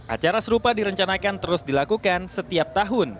acara serupa direncanakan terus dilakukan setiap tahun